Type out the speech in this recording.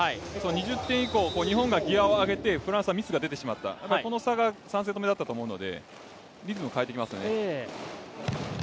２０点以降、日本がギアを上げてフランスはミスが出てしまったこの差が３セット目だったと思うので、リズム変えてきますね。